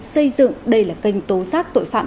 xây dựng đầy là kênh tố giác tội phạm